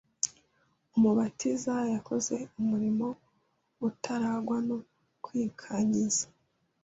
Umubatiza yakoze umurimo utarangwa no kwikanyiza.